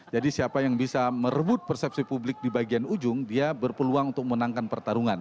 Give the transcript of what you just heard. jadi siapa yang bisa merebut persepsi publik di bagian ujung dia berpeluang untuk menangkan pertarungan